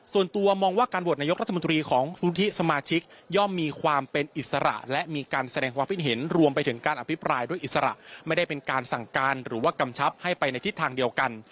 ส่วนตัวมองว่าการโหวตนายกรัฐมนตรีของสุธิสมาชิกย่อมมีความเป็นอิสระและมีการแสดงความคิดเห็นรวมไปถึงการอภิปรายด้วยอิสระไม่ได้เป็นการสั่งการหรือว่ากำชับให้ไปในทิศทางเดียวกัน